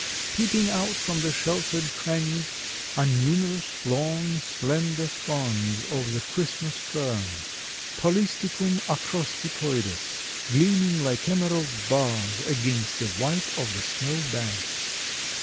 Peeping out from the sheltered crannies are numerous long, slender fronds of the Christmas fern, Polystichum acrostichoides, gleaming like emerald bars against the white of the snow bank.